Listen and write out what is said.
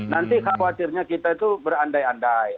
nanti khawatirnya kita itu berandai andai